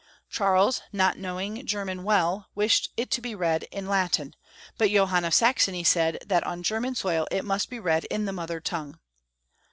Charles, not knowing German well, wished it to be read in Latin, but Johann of Saxony said that on German soil it must be read in the mother tongue.